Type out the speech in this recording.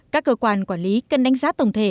các cơ quan quản lý cần đánh giá tổng thể